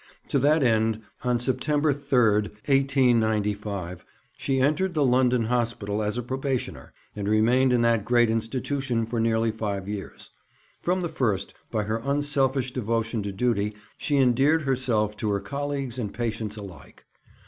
To that end on September 3, 1895, she entered the London Hospital as a probationer, and remained in that great institution for nearly five years. From the first, by her unselfish devotion to duty she endeared herself to her colleagues and patients alike.